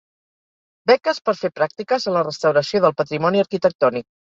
Beques per fer pràctiques en la restauració del patrimoni arquitectònic.